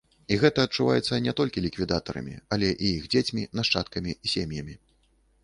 І гэта адчуваецца не толькі ліквідатарамі, але і іх дзецьмі, нашчадкамі, сем'ямі.